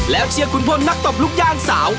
แล้วเชียร์ขุนพลนักตบลูกย่างสาว